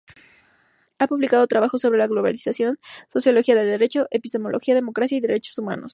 Ha publicado trabajos sobre la globalización, sociología del derecho, epistemología, democracia y derechos humanos.